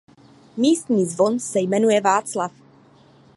Místní zvon se jmenuje "Václav".